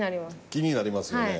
気になりますよね。